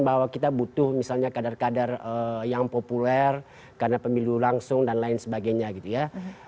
bahwa kita butuh misalnya kadar kadar yang populer karena pemilu langsung dan lain sebagainya gitu ya